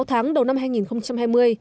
sáu tháng đầu năm hai nghìn hai mươi